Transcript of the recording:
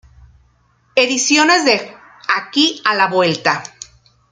Ediciones De Aquí a la Vuelta.